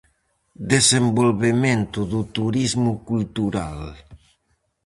Desenvolvemento do turismo cultural.